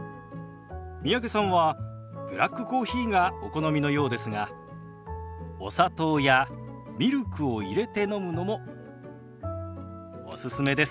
三宅さんはブラックコーヒーがお好みのようですがお砂糖やミルクを入れて飲むのもおすすめです。